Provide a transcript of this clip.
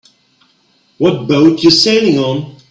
What boat you sailing on?